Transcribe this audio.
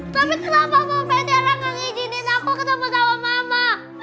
tapi kenapa mama tiara gak ngijinin aku ketemu sama mama